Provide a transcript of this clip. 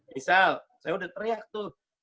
misal saya udah teriak tuh